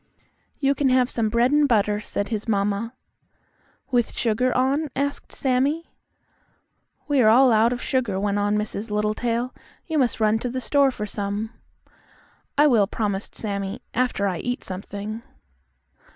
"You can have some bread and butter," said his mamma. "With sugar on?" asked Sammie. "We are all out of sugar," went on Mrs. Littletail. "You must run to the store for some." "I will," promised Sammie, "after I eat something."